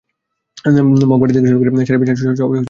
Mug, বাটি থেকে শুরু করে শাড়ি, বিছানার চাদর—সবই দিতে পারেন মাকে।